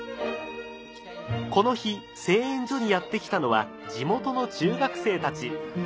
この日製塩所にやって来たのは地元の中学生たち。